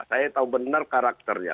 saya tahu benar karakternya